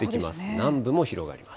南部も広がります。